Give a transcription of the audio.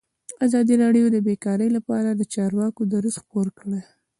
ازادي راډیو د بیکاري لپاره د چارواکو دریځ خپور کړی.